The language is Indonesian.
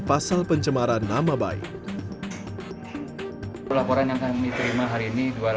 pasal pencemaran nama baik laporan yang kami terima hari ini dua laporan pengaduan yang